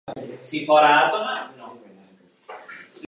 Aquest delicte té una pena màxima de cadena perpetua.